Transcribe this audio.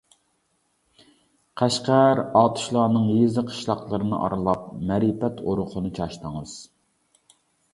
قەشقەر، ئاتۇشلارنىڭ يېزا-قىشلاقلىرىنى ئارىلاپ، مەرىپەت ئۇرۇقىنى چاچتىڭىز.